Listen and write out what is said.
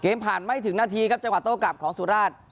ผ่านไม่ถึงนาทีครับจังหวะโต้กลับของสุราช